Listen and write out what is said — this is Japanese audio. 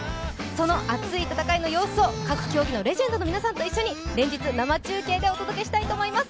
その熱い戦いの様子を、各競技のレジェンドの皆さんと一緒に連日、生中継でお届けしたいと思います。